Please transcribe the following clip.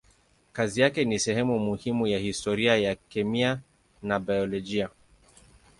Kazi yake ni sehemu muhimu ya historia ya kemia na biolojia.